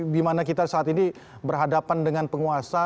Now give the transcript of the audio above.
dimana kita saat ini berhadapan dengan penguasa